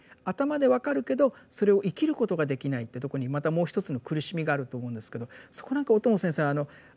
頭で分かるけどそれを生きることができないってとこにまたもう一つの苦しみがあると思うんですけどそこは何か小友先生